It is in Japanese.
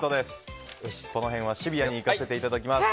この辺はシビアに行かせていただきます。